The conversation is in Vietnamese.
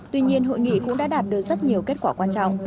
tuy nhiên hội nghị cũng đã đạt được rất nhiều kết quả quan trọng